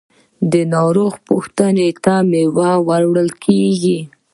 ناروغه پوښتنې ته میوه وړل کیږي.